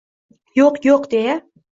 «Yo’q, yo’q», — deya